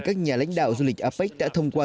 các nhà lãnh đạo du lịch apec đã thông qua